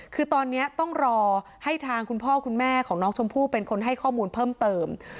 คือตอนนี้ต้องรอให้ทางคุณพ่อคุณแม่ของน้องชมพู่เป็นคนให้ข้อมูลเพิ่มเติม